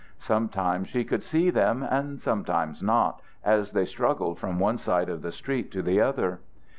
Sometimes she could see them and sometimes not as they struggled from one side of the street to the other.